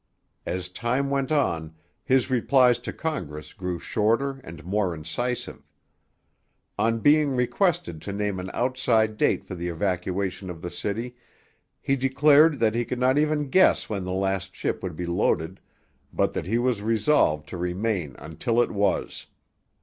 As time went on, his replies to Congress grew shorter and more incisive. On being requested to name an outside date for the evacuation of the city, he declared that he could not even guess when the last ship would be loaded, but that he was resolved to remain until it was.